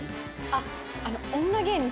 あっ女芸人